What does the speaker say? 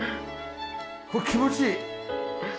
これ気持ちいい。